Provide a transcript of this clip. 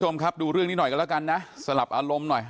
คุณผู้ชมครับดูเรื่องนี้หน่อยกันแล้วกันนะสลับอารมณ์หน่อย